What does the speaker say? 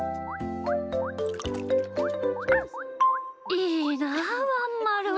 いいなあ、ワンまるは。